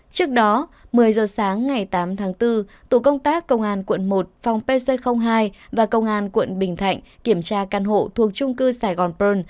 trước đó một mươi giờ sáng ngày tám tháng bốn tổ công tác công an quận một phòng pc hai và công an quận bình thạnh kiểm tra căn hộ thuộc trung cư sài gòn pơn